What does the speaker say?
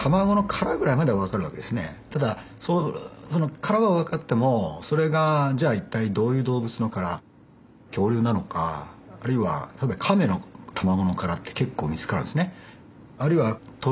ただ殻は分かってもそれがじゃあ一体どういう動物の殻恐竜なのかあるいはカメの卵の殻って結構見つかるんですね。